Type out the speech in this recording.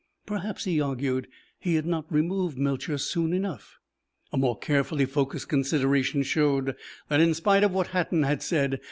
Perhaps, he argued, he had not removed Melcher soon enough. A more carefully focused consideration showed that, in spite of what Hatten had said.